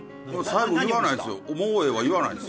最後言わないんですよ。